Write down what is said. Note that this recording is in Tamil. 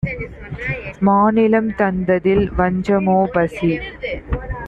மாநிலம் தந்ததில் வஞ்சமோ? - பசி